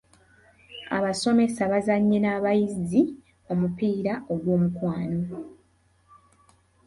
Abasomesa bazannye n'abayizi omupiira ogw’omukwano.